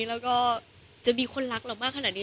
แล้วก็จะมีคนรักเรามากขนาดนี้